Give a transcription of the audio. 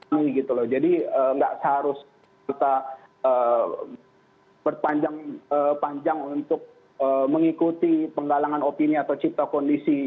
jadi tidak seharusnya kita berpanjang panjang untuk mengikuti penggalangan opini atau cipta kondisi